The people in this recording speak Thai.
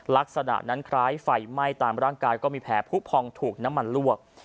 ลักษณะนั้นคล้ายไฟไหม้ตามร่างกายก็มีแผลผู้พองถูกน้ำมันลวก